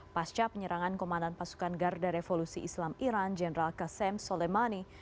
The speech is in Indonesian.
pasca penyerangan komandan pasukan garda revolusi islam iran jenderal kesem soleimani